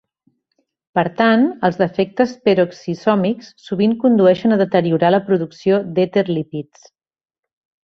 Per tant, els defectes peroxisòmics sovint condueixen a deteriorar la producció d'èter-lípids.